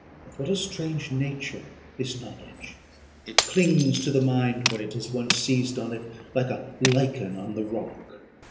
"Of what a strange nature is knowledge! It clings to the mind, when it has once seized on it, like a lichen on the rock.